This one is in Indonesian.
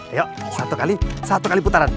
yuk satu kali satu kali putaran